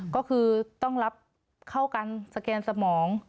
ก็คือต้องรับเข้ากันสแกนสมอง